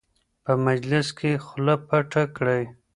په مجلس کې خوله پټه کړئ.